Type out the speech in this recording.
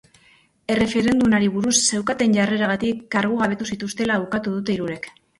Erreferendumari buruz zeukaten jarreragatik kargugabetu zituztela ukatu dute hirurek.